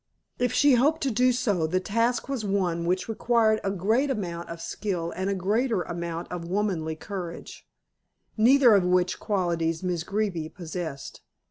If she hoped to do so, the task was one which required a great amount of skill and a greater amount of womanly courage, neither of which qualities Miss Greeby possessed.